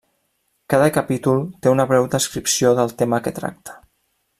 Cada capítol té una breu descripció del tema que tracta.